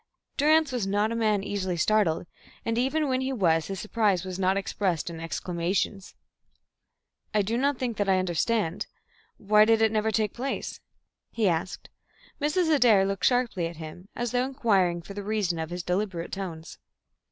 Durrance was not a man easily startled, and even when he was, his surprise was not expressed in exclamations. "I don't think that I understand. Why did it never take place?" he asked. Mrs. Adair looked sharply at him, as though inquiring for the reason of his deliberate tones.